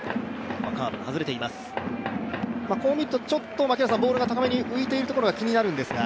こう見るとボールが高めに浮いているところが気になるんですが。